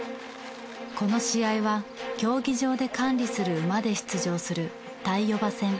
この試合は競技場で管理する馬で出場する。